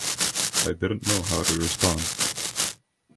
I didn't know how to respond.